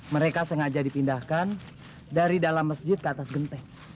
mereka sengaja dipindahkan dari dalam masjid ke atas genteng